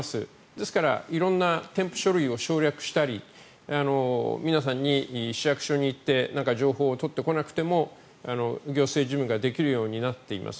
ですから、色んな添付書類を省略したり皆さんに、市役所に行って情報を取ってこなくても行政事務ができるようになっています。